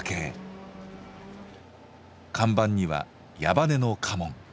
看板には矢羽根の家紋。